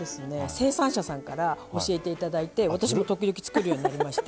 生産者さんから教えていただいて私も時々作るようになりまして。